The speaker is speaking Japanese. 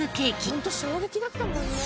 ホント衝撃だったもんね。